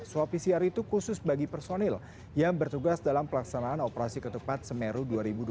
swab pcr itu khusus bagi personil yang bertugas dalam pelaksanaan operasi ketupat semeru dua ribu dua puluh